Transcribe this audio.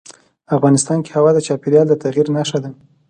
افغانستان کې هوا د چاپېریال د تغیر نښه ده.